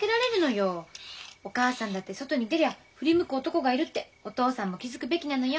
お母さんだって外に出りゃ振り向く男がいるってお父さんも気付くべきなのよ。